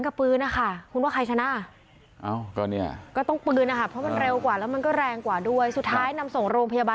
เขยใหญ่เนี่ยเอาขวานมา